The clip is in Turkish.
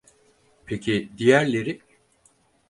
Peki diğerleri?